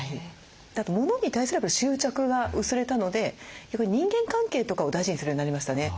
あとモノに対する執着が薄れたのでやっぱり人間関係とかを大事にするようになりましたね。